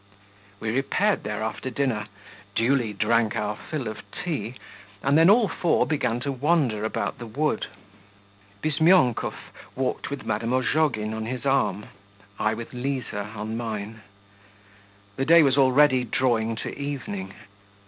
We repaired there after dinner, duly drank our fill of tea, and then all four began to wander about the wood. Bizmyonkov walked with Madame Ozhogin on his arm, I with Liza on mine. The day was already drawing to evening.